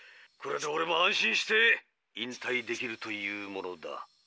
これでオレも安心して引退できるというものだ。